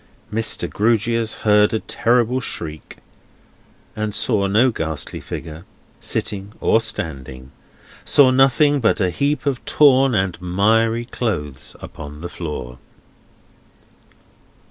Mr. Grewgious heard a terrible shriek, and saw no ghastly figure, sitting or standing; saw nothing but a heap of torn and miry clothes upon the floor.